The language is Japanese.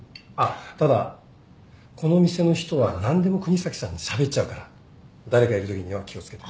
ただこの店の人は何でも國東さんにしゃべっちゃうから誰かいるときには気を付けて。